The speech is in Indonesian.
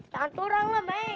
jangan turanglah men